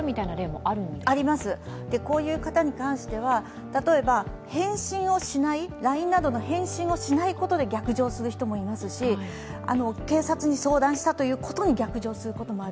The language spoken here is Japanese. あります、こういう方に関しては例えばＬＩＮＥなどの返信をしないことで逆上する人もいますし警察に相談したということに逆上することもある。